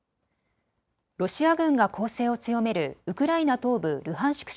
ロシア軍が攻勢を強めるウクライナ東部ルハンシク